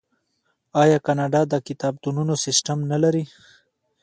آیا کاناډا د کتابتونونو سیستم نلري؟